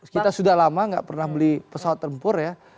kita sudah lama nggak pernah beli pesawat tempur ya